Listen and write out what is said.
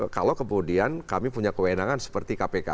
kalau kemudian kami punya kewenangan seperti kpk